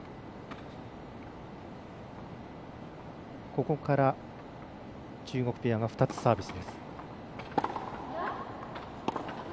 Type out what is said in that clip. ここから中国ペアが２つサービス。